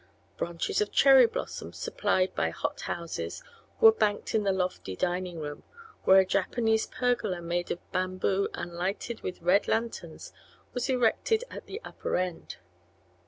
Branches of cherry blossoms, supplied by hot houses, were banked in the lofty dining room, where a Japanese pergola made of bamboo and lighted with red lanterns was erected at the upper end.